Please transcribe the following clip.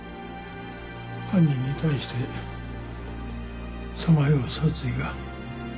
犯人に対してさまよう殺意が。